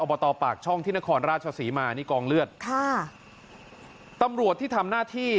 บตปากช่องที่นครราชศรีมานี่กองเลือดค่ะตำรวจที่ทำหน้าที่